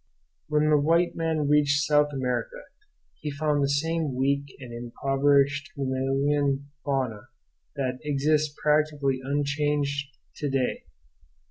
When the white man reached South America he found the same weak and impoverished mammalian fauna that exists practically unchanged to day.